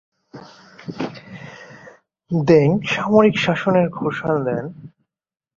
Deng সামরিক শাসনের ঘোষণা দেন।